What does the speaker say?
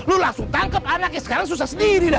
lu langsung tangkep anaknya sekarang susah sendiri dah